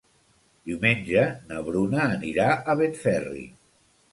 Diumenge na Bruna anirà a Benferri.